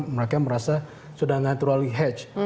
mereka merasa sudah tidak terlalu hedge